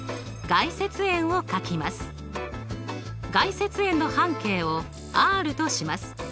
外接円の半径をＲとします。